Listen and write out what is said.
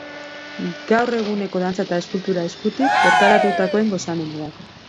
Gaur eguneko dantza eta eskultura eskutik, bertaratutakoen gozamenerako.